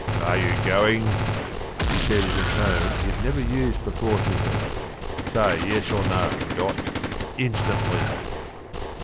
"Are you going?" he said in a tone he had never used before to her. "Say Yes or No, Dot, instantly."